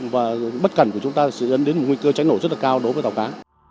và bất cẩn của chúng ta sẽ dẫn đến một nguy cơ cháy nổ rất là cao đối với tàu cá